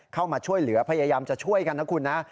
เข้ามาช่วยเหลือพยายามจะช่วยกันนะคุณนะ